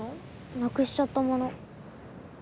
なくしちゃったもの。